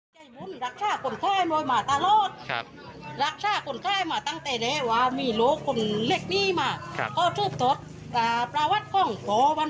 ครับถ้าจะไม่ไม่แน่ไม่เทินตรงไหน